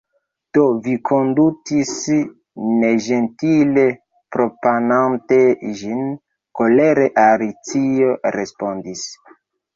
"Do vi kondutis neĝentile, proponante ĝin," kolere Alicio respondis.